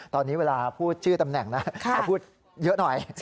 ตอนนี้เวลาพูดชื่อตำแหน่งนะเขาพูดเยอะหน่อย